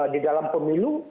di dalam pemilu